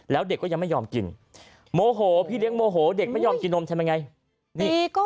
แล้วเด็กก็ยังไม่ยอมกินโมโหพี่เลี้ยงโมโหเด็กไม่ยอมกินนมทำยังไง